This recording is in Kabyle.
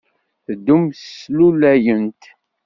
Teddunt slulayent.